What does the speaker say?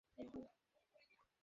তোমার কী আমাকে বোকা মনে হয়?